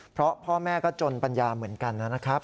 เพราะพ่อแม่ก็จนปัญญาเหมือนกันนะครับ